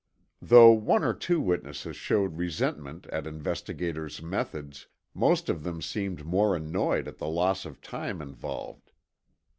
Though one or two witnesses showed resentment at investigators' methods, most of them seemed more annoyed at the loss of time involved.